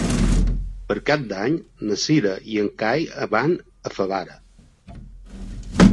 Per Cap d'Any na Cira i en Cai van a Favara.